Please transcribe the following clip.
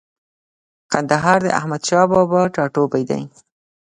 کندهار د احمدشاه بابا ټاټوبۍ دی.